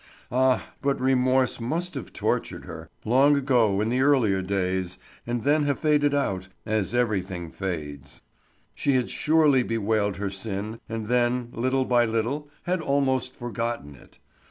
Ah, but remorse must have tortured her, long ago in the earlier days, and then have faded out, as everything fades. She had surely bewailed her sin, and then, little by little, had almost forgotten it.